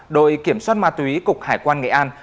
đội kiểm soát ma túy cục hải quan nghệ an